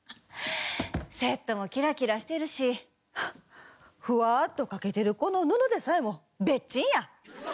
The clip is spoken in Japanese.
セットもキラキラしてるしフワッとかけてるこの布でさえも別珍や。